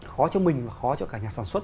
khó cho mình và khó cho cả nhà sản xuất